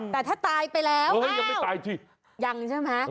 แต่ถ้าตายไปแล้วยังใช่ไหม